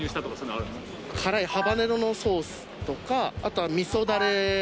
辛いハバネロのソースとかあとは味噌ダレ。